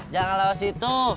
jangan lewat situ